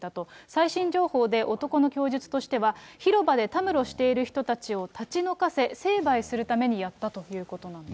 最新情報で、男の供述としては、広場でたむろしている人たちを立ち退かせ、成敗するためにやったということなんです。